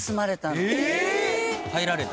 入られた？